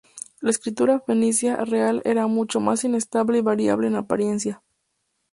La escritura fenicia real era mucho más inestable y variable en apariencia.